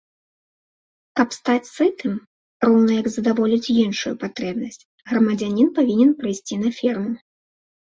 Каб стаць сытым, роўна як задаволіць іншую патрэбнасць, грамадзянін павінен прыйсці на ферму.